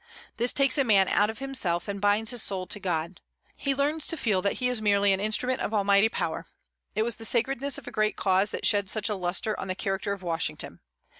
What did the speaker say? This takes a man out of himself, and binds his soul to God. He learns to feel that he is merely an instrument of Almighty power. It was the sacredness of a great cause that shed such a lustre on the character of Washington.